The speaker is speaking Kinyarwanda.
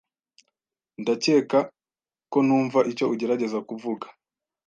Ndakeka ko ntumva icyo ugerageza kuvuga.